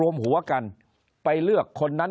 คนในวงการสื่อ๓๐องค์กร